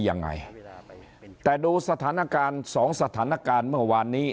ยังไงแต่ดูสถานการณ์สองสถานการณ์เมื่อวานนี้